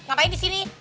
ngapain di sini